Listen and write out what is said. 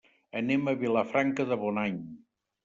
Anem a Vilafranca de Bonany.